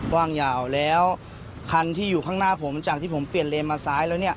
ว่างยาวแล้วคันที่อยู่ข้างหน้าผมจากที่ผมเปลี่ยนเลนมาซ้ายแล้วเนี่ย